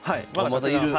まだいる！